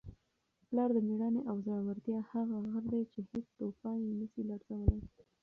پلار د مېړانې او زړورتیا هغه غر دی چي هیڅ توپان یې نسي لړزولی.